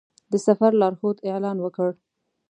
د سفر لارښود اعلان وکړ.